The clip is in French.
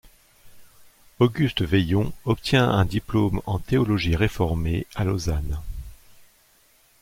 Auguste Veillon obtient un diplôme en théologie réformée à Lausanne.